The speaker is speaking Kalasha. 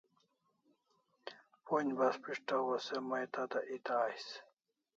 Pon'j bas pishtaw o se mai tada eta ais